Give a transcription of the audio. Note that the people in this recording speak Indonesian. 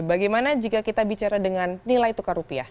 bagaimana jika kita bicara dengan nilai tukar rupiah